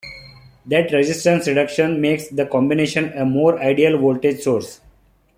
That resistance reduction makes the combination a more ideal voltage source.